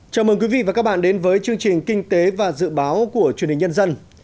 chào mừng quý vị và các bạn đến với chương trình kinh tế và dự báo của truyền hình nhân dân